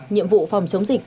nhiệm vụ phòng chống dịch